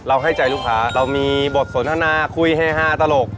ให้ใจลูกค้าเรามีบทสนทนาคุยเฮฮาตลก